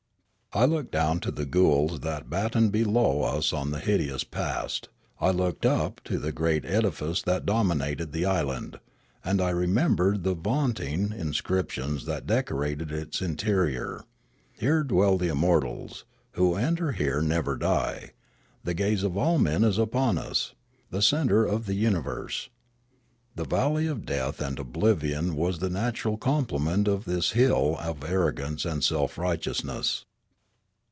I looked down to the ghouls that battened below us on the hideous past ; I looked up to the great edi fice that dominated the island ; and I remembered the vaunting inscriptions that decorated its interior. " Here dwell the immortals ";" Who enter here never die ";" The gaze of all men is upon us ";" The centre of the universe." The valley of death and oblivion was the natural complement of this hill of arrogance and self righteousness.